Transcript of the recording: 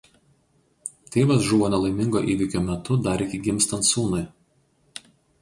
Tėvas žuvo nelaimingo įvykio metu dar iki gimstant sūnui.